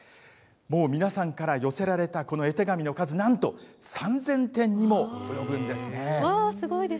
もう皆さんから寄せられたこの絵手紙の数、なんと３０００点にも及ぶんですね。